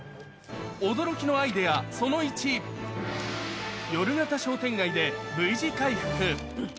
驚きのアイデア、その１、夜型商店街でＶ字回復。